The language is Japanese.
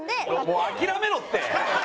もう諦めろって！